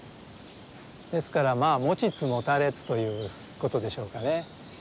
ですからまあ持ちつ持たれつということでしょうかね。